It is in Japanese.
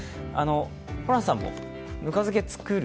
ホランさんも、ぬか漬け作る？